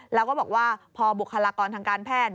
แล้วก็บอกว่าพอบุคลากรทางการแพทย์